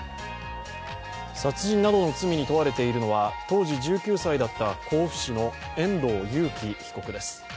殺人などの罪に問われているのは当時１９歳だった、甲府市の遠藤裕喜被告です。